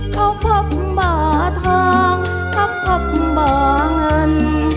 เขาพบบ่อทองพักพบบ่อเงิน